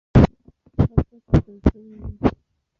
غږ به ساتل سوی وي.